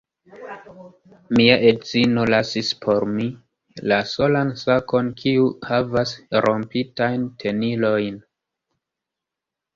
Mia edzino lasis por mi la solan sakon kiu havas rompitajn tenilojn